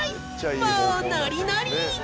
もうノリノリ！